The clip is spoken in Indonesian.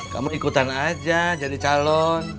kamu ikutan aja jadi calon